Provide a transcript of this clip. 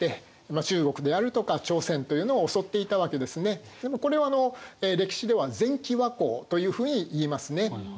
そのころのこれは歴史では前期倭寇というふうにいいますね。